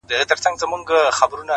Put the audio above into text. • د ها بل يوه لكۍ وه سل سرونه,